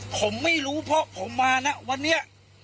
ผมไม่รู้เพราะผมมานะวันนี้